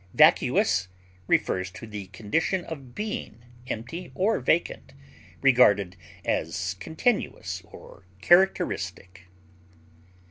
Vacuous refers to the condition of being empty or vacant, regarded as continuous or characteristic.